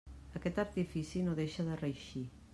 Aquest artifici no deixa de reeixir.